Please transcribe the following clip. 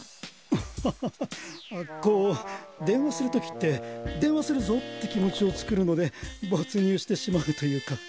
こう電話するときって電話するぞって気持ちを作るので没入してしまうというか。